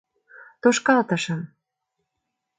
— Тошкалтышым!